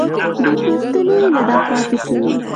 بې پوښتنې نه ده پاتې شوې.